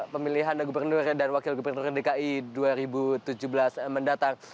pemilihan gubernur dan wakil gubernur dki dua ribu tujuh belas mendatang